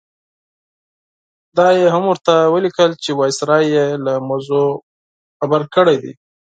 دا یې هم ورته ولیکل چې وایسرا یې له موضوع خبر کړی دی.